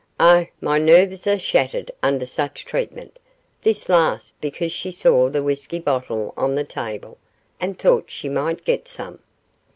Oh, my nerves are shattered under such treatment' this last because she saw the whisky bottle on the table, and thought she might get some.